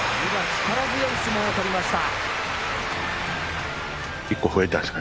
力強い相撲をとりました。